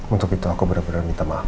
untuk itu aku bener bener minta maaf